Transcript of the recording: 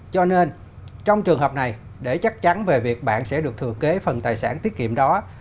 cho nên trong trường hợp này để chắc chắn về việc bạn sẽ được thừa kế phần tài sản tiết kiệm đó